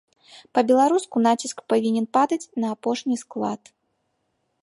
Па-беларуску націск павінен падаць на апошні склад.